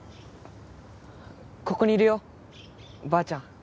ここにいるよばあちゃん。